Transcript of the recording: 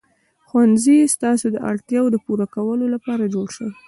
ښوونځی ستاسې د اړتیاوو د پوره کولو لپاره جوړ شوی.